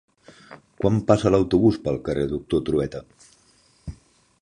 Quan passa l'autobús pel carrer Doctor Trueta?